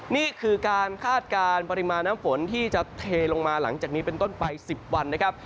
นี่คือการคาดการณ์ปริมาณน้ำฝนที่จะเทลงมาหลังจากนี้เป็นต้นไป๑๐วันนะครับ